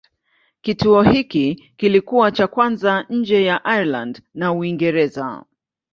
Kituo hiki kilikuwa cha kwanza nje ya Ireland na Uingereza.